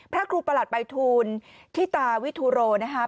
พระครูประหลัดไปทูลที่ตาวิทุโรนะฮะ